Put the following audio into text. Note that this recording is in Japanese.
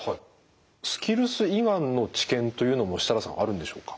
スキルス胃がんの治験というのも設樂さんあるんでしょうか？